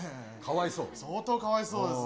相当かわいそうですね。